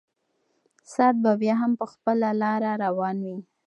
ساعت به بیا هم په خپله لاره روان وي.